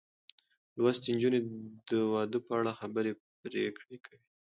لوستې نجونې د واده په اړه خبرې پرېکړې کوي.